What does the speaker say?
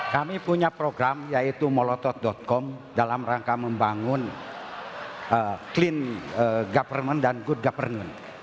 kami punya program yaitu molotot com dalam rangka membangun clean government dan good government